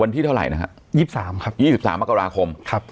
วันที่เท่าไรนะครับยี่สิบสามครับยี่สิบสามมกราคมครับ